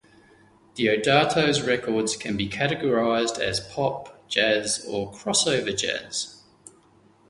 Deodato's records can be categorized as pop, jazz or crossover jazz.